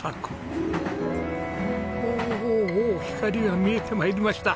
おお光が見えて参りました！